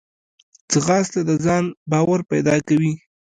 ځغاسته د ځان باور پیدا کوي